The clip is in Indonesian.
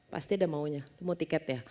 pasti ada maunya mau tiket ya